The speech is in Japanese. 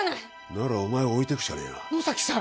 ならお前を置いてくしかねえな野崎さん！